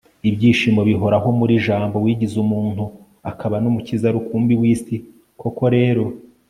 ibyishimo bihoraho muri jambo wigize umuntu akaba n'umukiza rukumbi w'isi. koko rero